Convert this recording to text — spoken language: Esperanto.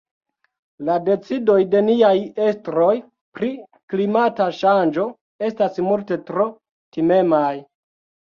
La decidoj de niaj estroj pri klimata ŝanĝo estas multe tro timemaj.